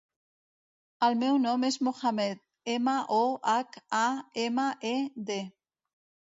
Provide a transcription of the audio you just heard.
El meu nom és Mohamed: ema, o, hac, a, ema, e, de.